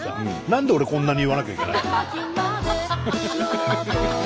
何で俺こんなに言わなきゃいけないの？